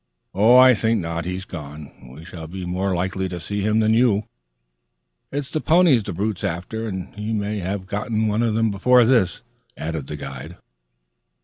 "I think not. He's gone. We shall be more likely to see him than you will. It's the ponies the brute's after. And he may have gotten one of them before this," added the guide.